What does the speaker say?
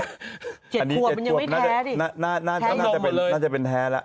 ๗ขวบมันยังไม่แท้ดิน่าจะเป็นแท้ล่ะ